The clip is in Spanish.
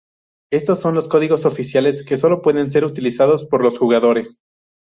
Estos son los códigos oficiales que sólo pueden ser utilizados por los jugadores.